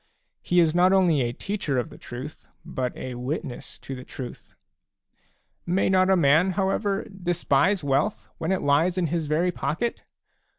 He is not only a teacher of the truth, but a witness to the truth. " May not a man, however, despise wealth when it lies in his very pocket